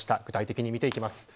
具体的に見ていきます。